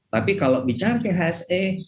tapi kalau bicara chse